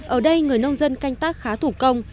ở đây người nông dân canh tác khá thủ công